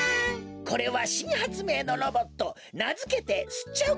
これはしんはつめいのロボットなづけてすっちゃう